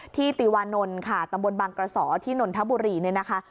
ติวานนท์ค่ะตำบลบางกระสอที่นนทบุรีเนี่ยนะคะ